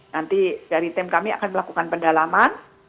nanti dari tim kami akan melakukan pendalaman